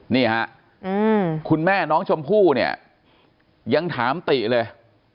นี่ฮะคุณแม่น้องชมพู่เนี่ยยังถามติเลย